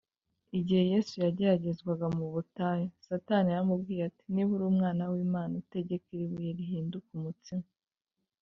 igihe yesu yageragezwaga mu butayu, satani yaramubwiye ati, “niba uri umwana w’imana, tegeka iri buye rihinduke umutsima